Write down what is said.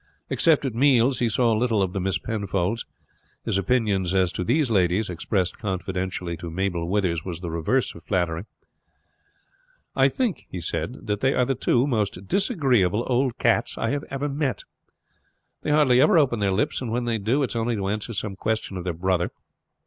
Except at meals he saw little of the Miss Penfolds. His opinion as to these ladies, expressed confidentially to Mabel Withers, was the reverse of flattering. "I think," he said, "that they are the two most disagreeable old cats I have ever met. They hardly ever open their lips, and when they do it is only to answer some question of their brother.